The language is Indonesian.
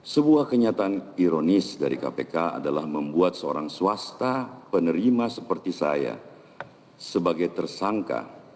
sebuah kenyataan ironis dari kpk adalah membuat seorang swasta penerima seperti saya sebagai tersangka